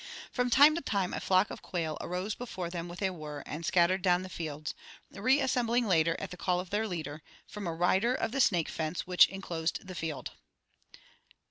From time to time a flock of quail arose before them with a whirr and scattered down the fields, reassembling later at the call of their leader, from a rider of the snake fence, which inclosed the field.